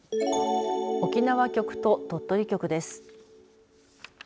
沖縄局と鳥取局です。